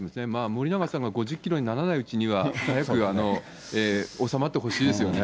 森永さんが５０キロにならないうちには、早く収まってほしいです